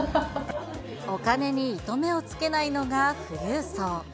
お金に糸目をつけないのが富裕層。